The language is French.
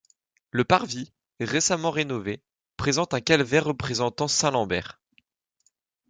Le parvis, récemment rénové, présente un calvaire représentant saint Lambert.